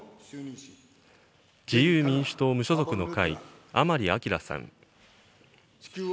自由民主党・無所属の会、甘利明さん。